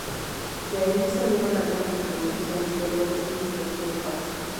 De ahí salieron algunas recomendaciones que el gobierno implementó en parte.